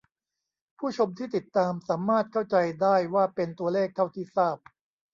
ผู้ชมที่ติดตามสามารถเข้าใจได้ว่า เป็นตัวเลขเท่าที่ทราบ